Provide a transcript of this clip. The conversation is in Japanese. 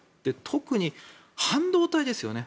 特に半導体ですよね。